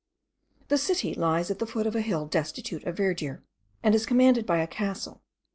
The city lies at the foot of a hill destitute of verdure, and is commanded by a castle.